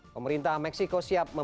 pemerintah meksiko siap membuka